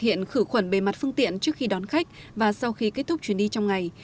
hiện khử khuẩn bề mặt phương tiện trước khi đón khách và sau khi kết thúc chuyến đi trong ngày